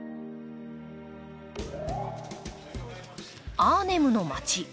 アーネムの街。